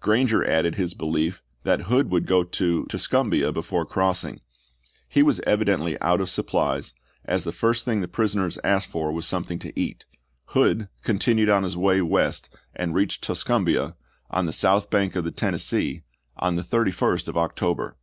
Granger added his belief that Hood would go to Tuscum bia before crossing ; he was evidently out of sup plies, as the first thing the prisoners asked for was something to eat. Hood continued on his way west and reached Tuscumbia, on the south bank of the Tennessee, on the 31st of October.